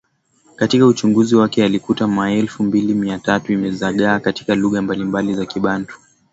Katika uchunguzi wake alikuta maelfu mbili Mia tatu imezagaa katika lugha mbalimbali za Kibantu